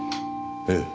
ええ。